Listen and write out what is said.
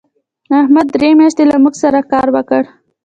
احمد درې میاشتې له موږ سره کار وکړ.